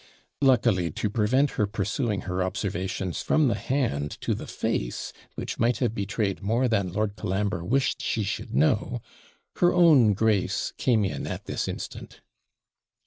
Luckily, to prevent her pursuing her observations from the hand to the face, which might have betrayed more than Lord Colambre wished she should know, her own Grace came in at this instant.